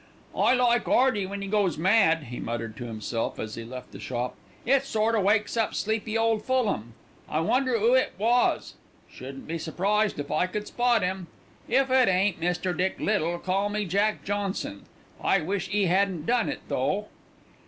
"I like 'Earty when 'e goes mad," he muttered to himself as he left the shop. "It sort o' wakes up sleepy old Fulham. I wonder 'oo it was. Shouldn't be surprised if I could spot 'im. If it ain't Mr. Dick Little call me Jack Johnson. I wish 'e 'adn't done it, though."